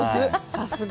さすが！